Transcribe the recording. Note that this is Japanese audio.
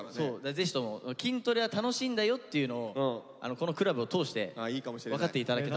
ぜひとも筋トレは楽しいんだよっていうのをこの倶楽部を通して分かって頂けたら。